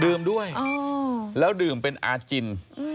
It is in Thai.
ดื่มด้วยแล้วดื่มเป็นอาจิน